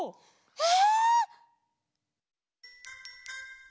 え！